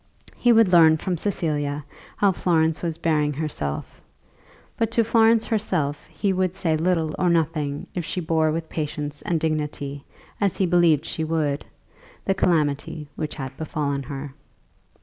He would learn from Cecilia how Florence was bearing herself; but to Florence herself he would say little or nothing if she bore with patience and dignity, as he believed she would, the calamity which had befallen her.